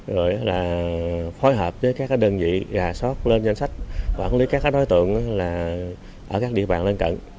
rồi là phối hợp với các đơn vị gà sót lên danh sách quản lý các đối tượng ở các địa bàn lân cận